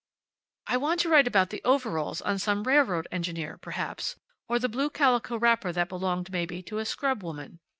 "I want to write about the overalls on some railroad engineer, perhaps; or the blue calico wrapper that belonged, maybe, to a scrub woman.